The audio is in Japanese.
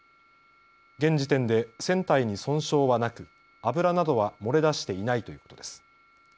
現時点で船体に損傷はなく油などは漏れ出していないということです。